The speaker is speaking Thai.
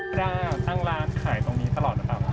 พระราชน์ตั้งร้านขายตรงนี้ตลอดหรือเปล่า